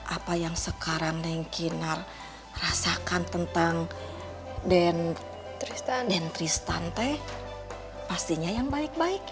apa yang sekarang neng kinar rasakan tentang den tristan dan tristan teh pastinya yang baik baik